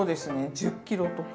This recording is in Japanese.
１０ｋｇとか。